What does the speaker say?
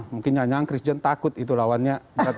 mungkin hanya krisjon takut itu lawannya berat berat semua dari